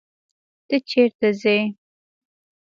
ته چيري ځې؟